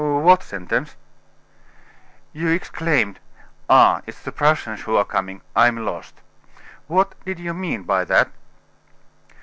"What sentence?" "You exclaimed: 'Ah, it's the Prussians who are coming; I'm lost!' What did you mean by that?"